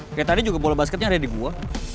kayak tadi juga bola basketnya ada di gua